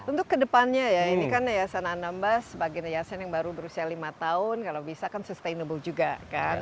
untuk kedepannya ya ini kan yayasan anambas sebagai yayasan yang baru berusia lima tahun kalau bisa kan sustainable juga kan